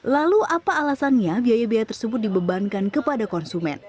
lalu apa alasannya biaya biaya tersebut dibebankan kepada konsumen